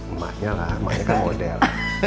emaknya lah emaknya kan model